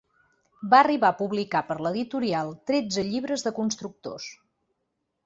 Va arribar a publicar per l'editorial tretze llibres de constructors.